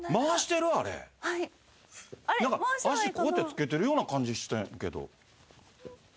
脚こうやってつけてるような感じしたんやけど。